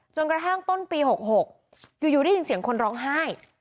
จนกระทั่งต้นปี๖๖อยู่ได้ยินเสียงคนร้องไห้